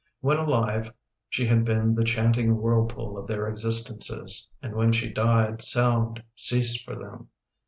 When alive she had been the chanting whirlpool of their existences, and when she died sound ceased for them.